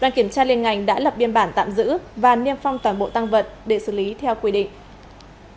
đoàn kiểm tra liên ngành đã lập biên bản tạm giữ và niêm phong toàn bộ tăng vật để xử lý theo quy định